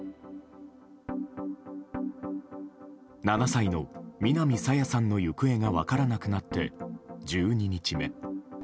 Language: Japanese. ７歳の南朝芽さんの行方が分からなくなって１２日目。